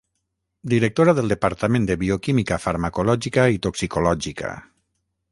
Directora del Departament de Bioquímica Farmacològica i Toxicològica.